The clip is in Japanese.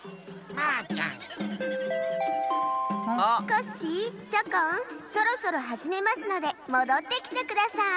コッシーチョコンそろそろはじめますのでもどってきてください。